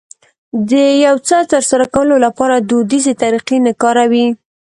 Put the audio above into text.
د يو څه ترسره کولو لپاره دوديزې طريقې نه کاروي.